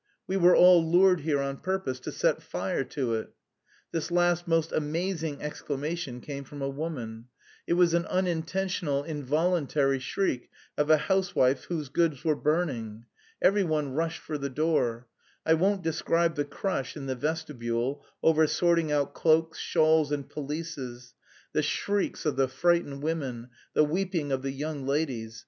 "We were all lured here on purpose to set fire to it!" This last most amazing exclamation came from a woman; it was an unintentional involuntary shriek of a housewife whose goods were burning. Every one rushed for the door. I won't describe the crush in the vestibule over sorting out cloaks, shawls, and pelisses, the shrieks of the frightened women, the weeping of the young ladies.